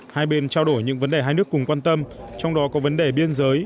hai bên trao đổi những vấn đề hai nước cùng quan tâm trong đó có vấn đề biên giới